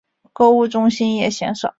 购物中心也鲜少。